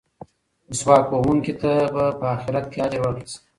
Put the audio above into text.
مسواک وهونکي ته به په اخرت کې اجر ورکړل شي.